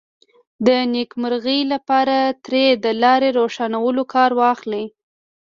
د نېکمرغۍ لپاره ترې د لارې روښانولو کار واخلو.